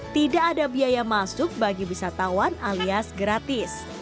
tidak ada biaya masuk bagi wisatawan alias gratis